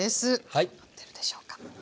どうなってるでしょうか？